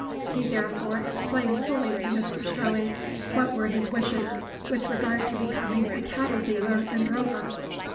He therefore explained fully to Mr Strelley what were his wishes with regard to becoming a cattle dealer and drover.